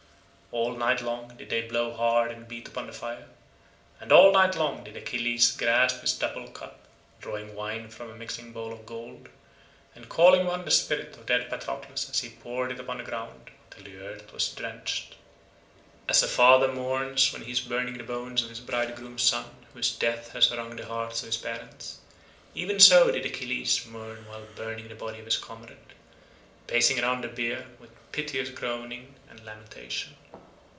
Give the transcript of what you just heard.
All night long did they blow hard and beat upon the fire, and all night long did Achilles grasp his double cup, drawing wine from a mixing bowl of gold, and calling upon the spirit of dead Patroclus as he poured it upon the ground until the earth was drenched. As a father mourns when he is burning the bones of his bridegroom son whose death has wrung the hearts of his parents, even so did Achilles mourn while burning the body of his comrade, pacing round the bier with piteous groaning and lamentation.